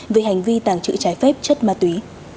về hành vi tàng trữ trái phép chất ma túy